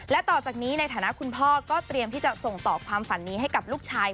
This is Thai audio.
และต่อจากนี้ในฐานะคุณพ่อก็เตรียมที่จะส่งต่อความฝันนี้ให้กับลูกชาย